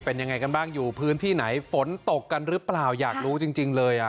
เป็นยังไงกันบ้างอยู่พื้นที่ไหนฝนตกกันหรือเปล่าอยากรู้จริงเลยอ่ะ